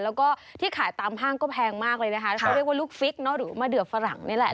แล้วก็ที่ขายตามห้างก็แพงมากเลยนะคะเขาเรียกว่าลูกฟิกเนอะหรือมะเดือฝรั่งนี่แหละ